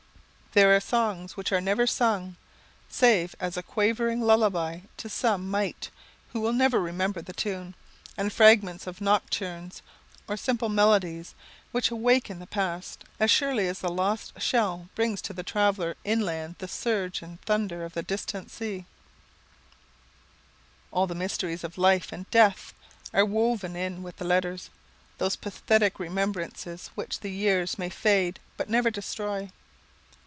There are songs which are never sung, save as a quavering lullaby to some mite who will never remember the tune, and fragments of nocturnes or simple melodies, which awaken the past as surely as the lost shell brings to the traveller inland the surge and thunder of the distant sea. [Sidenote: The Mysteries of Life and Death] All the mysteries of life and death are woven in with the letters; those pathetic remembrances which the years may fade but never destroy.